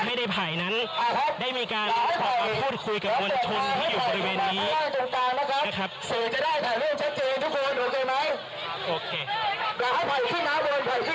ไม่ได้ภายนั้นได้มีการพูดคุยกับบนชนคืออยู่บริเวณนี้นะครับ